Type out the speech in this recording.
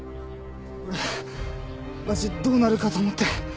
俺マジどうなるかと思って。